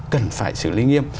cần phải xử lý nghiêm